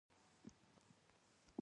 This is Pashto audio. شاته وګرځئ!